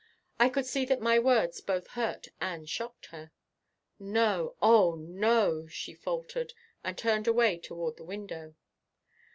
I could see that my words both hurt and shocked her. "No, Oh, no," she faltered and turned away toward the window.